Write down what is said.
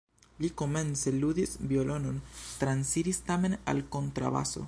Li komence ludis violonon, transiris tamen al kontrabaso.